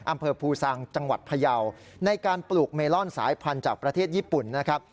อำเภอภูซางจังหวัดพยาวในการปลูกเมลอนสายพันธุ์จากประเทศญี่ปุ่นนะครับ